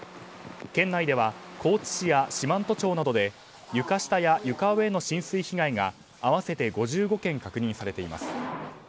県内では高知市や四万十町などで床下や床上への浸水被害が合わせて５５件確認されています。